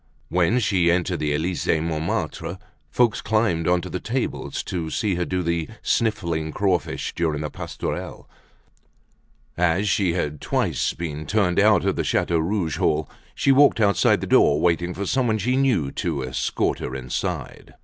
When she entered the "Elysee Montmartre," folks climbed onto the tables to see her do the "sniffling crawfish" during the pastourelle. As she had twice been turned out of the "Chateau Rouge" hall, she walked outside the door waiting for someone she knew to escort her inside.